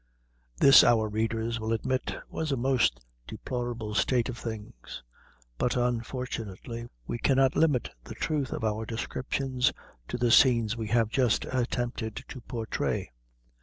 This, our readers will admit, was a most deplorable state of things; but, unfortunately, we cannot limit the truth of our descriptions to the scenes we have just attempted to portray.